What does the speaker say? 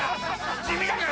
地味だから！